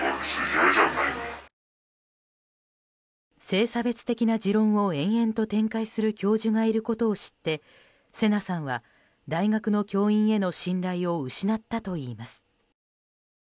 性差別的な持論を延々と展開する教授がいることを知って聖奈さんは大学の教員への信頼を失ったといいます。